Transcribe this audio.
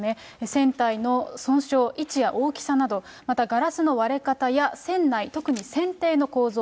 船体の損傷、位置や大きさなど、またガラスの割れ方や船内、特に船底の構造。